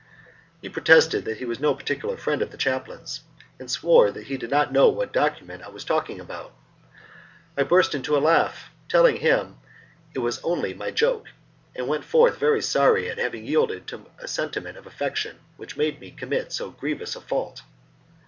He protested that he was no particular friend of the chaplain's, and swore he did not know what document I was talking about. I burst into a laugh, telling him it was only my joke, and went forth very sorry at having yielded to a sentiment of affection which had made me commit so grievous a fault.